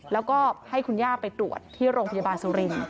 แล้วก็ให้คุณย่าไปตรวจที่โรงพยาบาลสุรินทร์